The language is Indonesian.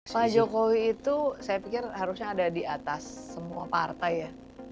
pak jokowi itu saya pikir harusnya ada di atas semua partai ya